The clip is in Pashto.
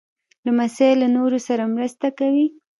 لمسی له نورو سره مرسته کوي.